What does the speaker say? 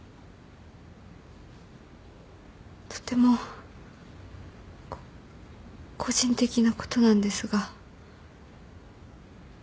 とても個人的なことなんですが。